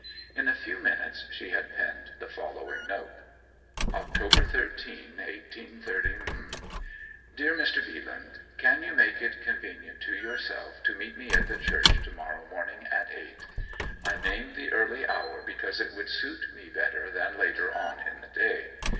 In a few minutes she had penned the following note: October 13, 183 . DEAR MR. BEALAND Can you make it convenient to yourself to meet me at the Church to morrow morning at eight? I name the early hour because it would suit me better than later on in the day.